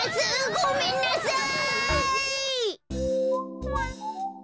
ごめんなさい！